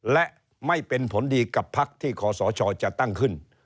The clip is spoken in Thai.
และไม่เป็นผลดีกับพักที่ขอสชจะตั้งขึ้น